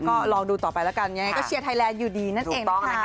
ก็ลองดูต่อไปแล้วกันยังไงก็เชียร์ไทยแลนดอยู่ดีนั่นเองนะคะ